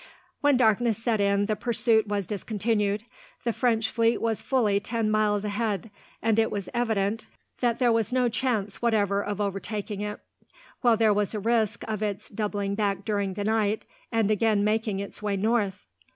When darkness set in, the pursuit was discontinued. The French fleet was fully ten miles ahead, and it was evident that there was no chance, whatever, of overtaking it; while there was a risk of its doubling back during the night, and again making its way north.